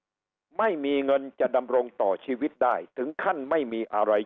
เขาถูกเลือกจ้างไม่มีเงินจะดำรงต่อชีวิตได้ถึงขั้นไม่มีอะไรจะกิน